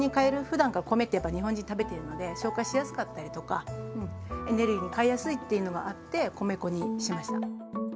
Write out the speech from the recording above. ふだんから米ってやっぱ日本人食べているので消化しやすかったりとかうんエネルギーに変えやすいっていうのがあって米粉にしました。